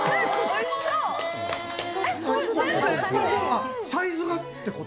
これ、サイズがってこと？